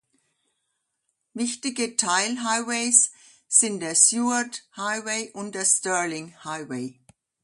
Wichtige Teilhighways sind der Seward Highway und der Sterling Highway.